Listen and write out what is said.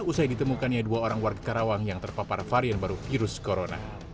usai ditemukannya dua orang warga karawang yang terpapar varian baru virus corona